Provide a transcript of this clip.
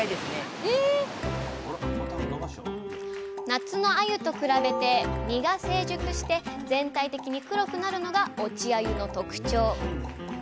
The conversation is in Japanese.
夏のあゆと比べて身が成熟して全体的に黒くなるのが落ちあゆの特徴！